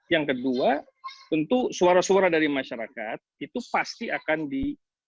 yang kedua tentu suara suara dari masyarakat itu pasti akan di